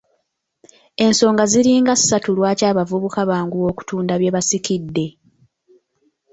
Ensonga ziringa ssatu lwaki abavubuka banguwa okutunda bye basikidde.